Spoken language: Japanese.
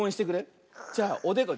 じゃあおでこ。